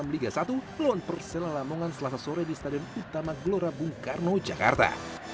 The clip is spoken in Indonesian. melawan persila lamongan selasa sore di stadion utama gelora bung karno jakarta